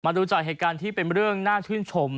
ดูจากเหตุการณ์ที่เป็นเรื่องน่าชื่นชม